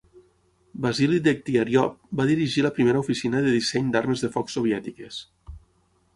Vasily Degtyaryov va dirigir la primera oficina de disseny d'armes de foc soviètiques.